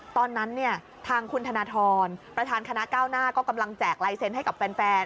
ตอนนั้นเนี่ยทางคุณธนทรประธานคณะก้าวหน้าก็กำลังแจกลายเซ็นต์ให้กับแฟน